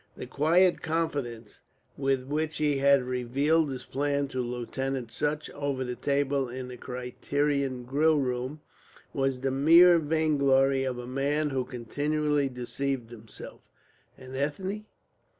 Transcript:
The quiet confidence with which he had revealed his plan to Lieutenant Sutch over the table in the Criterion grill room was the mere vainglory of a man who continually deceived himself? And Ethne?...